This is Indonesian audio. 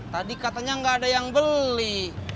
tadi katanya nggak ada yang beli